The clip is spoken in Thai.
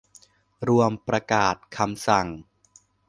รวม ประกาศ คำสั่ง